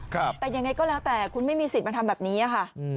แต่ยังไงก็แล้วแต่คุณไม่มีสิทธิ์มาทำแบบนี้ค่ะ